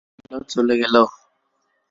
অমূল্য চলে গেল।